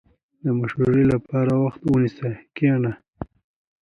• د مشورې لپاره وخت ونیسه، کښېنه.